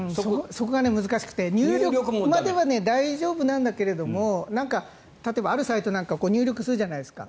そこが難しくて入力までは大丈夫なんだけど例えば、あるサイトなんかは入力するじゃないですか。